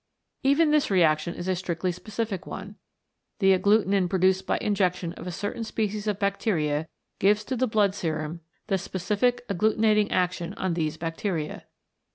Even this reaction is a strictly specific one. The agglutinin produced by injection of a certain species of bacteria gives to the blood serum the specific agglutinating action on these bacteria.